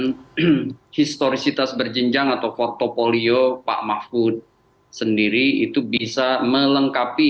historisitas berjenjang atau portfolio pak mahfud sendiri itu bisa melengkapi